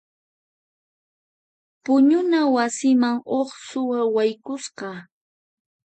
Puñuna wasiman huk suwa haykusqa.